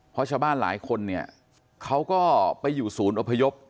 เพราะชาวบ้านหลายคนเนี่ยเขาก็ไปอยู่ศูนย์อพยพ